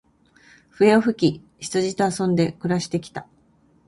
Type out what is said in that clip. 笛を吹き、羊と遊んで暮して来た。